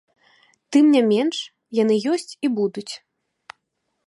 Тым не менш, яны ёсць і будуць.